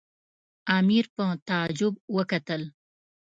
امیر په تعجب وکتل.